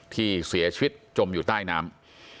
ที่เสียชีวิตจมอยู่ใต้น้ำ